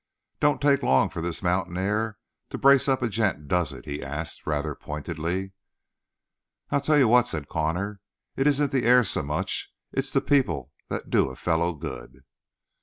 "Don't take long for this mountain air to brace up a gent, does it?" he asked rather pointedly. "I'll tell you what," said Connor. "It isn't the air so much; it's the people that do a fellow good."